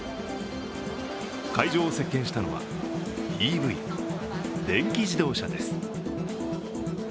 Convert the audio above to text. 会場を席けんしたのはＥＶ＝電気自動車です。